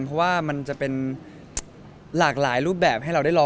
เพราะว่ามันจะเป็นหลากหลายรูปแบบให้เราได้ลอง